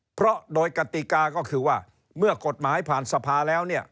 เพราะโดยกติกาก็คือว่าเมื่อกฎหมายผ่านสภาแล้วเนี่ย